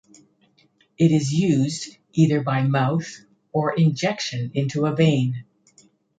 It is used either by mouth or injection into a vein.